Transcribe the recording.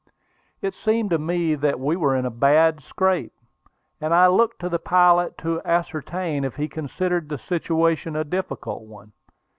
It seemed to me that we were in a bad scrape, and I looked to the pilot to ascertain if he considered the situation a difficult one.